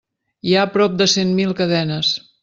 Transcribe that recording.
Hi ha prop de cent mil cadenes.